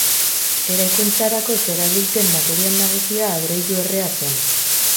Eraikuntzarako zerabilten material nagusia adreilu errea zen.